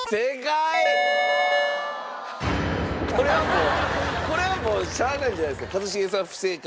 これはもうこれはもうしゃあないじゃないですか。